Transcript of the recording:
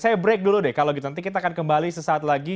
saya break dulu deh kalau gitu nanti kita akan kembali sesaat lagi